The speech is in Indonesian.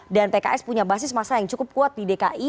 dan pks punya basis masa yang cukup kuat di dki